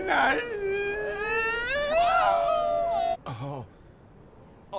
ああ。